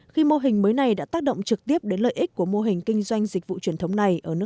khi mô hình mới này đã tác động trực tiếp đến lợi ích của mô hình kinh doanh dịch vụ trực tuyến